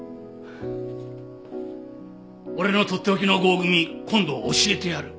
俺のとっておきの合組今度教えてやる。